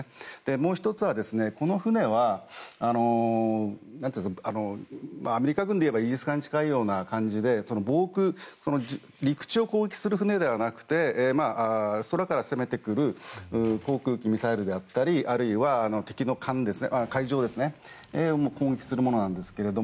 もう１つはこの船は、アメリカ軍でいえばイージス艦に近いような感じで陸地を攻撃する船ではなくて空から攻めてくる航空機ミサイルであったりあるいは敵の海上を攻撃するものなんですね。